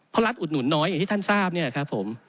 เพราะรัฐอุดหนุนน้อยอย่างที่ท่านทราบเนี่ยครับผม